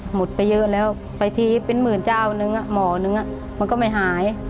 ไปเยอะแล้วไปทีเป็นหมื่นเจ้านึงหมอนึงมันก็ไม่หาย